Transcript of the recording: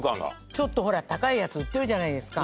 ちょっと高いやつ売ってるじゃないですか。